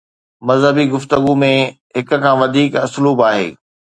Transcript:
مذهبي گفتگو ۾ هڪ کان وڌيڪ اسلوب آهي.